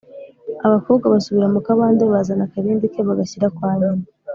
abakobwa basubira mu kabande bazana akabindi ke, bagashyira kwa nyina.